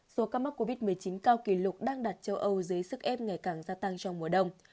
số ca mắc covid một mươi chín cao kỷ lục đang đặt châu âu dưới sức ép ngày càng gia tăng trong mùa đông